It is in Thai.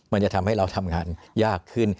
มันจะทำให้เราทำงานยากขึ้น